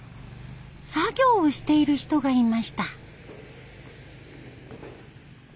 作業をしている人がいました。